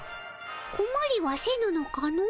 こまりはせぬのかの？